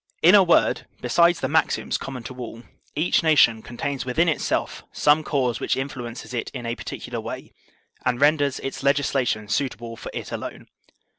In a word, besides the maxims common to all, each nation contains within itself some cause which influences it in a particular way, and renders its legislation suitable for it alone.